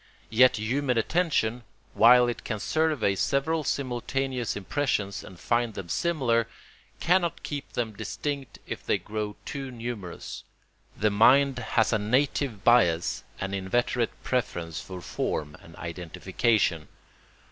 Yet human attention, while it can survey several simultaneous impressions and find them similar, cannot keep them distinct if they grow too numerous. The mind has a native bias and inveterate preference for form and identification.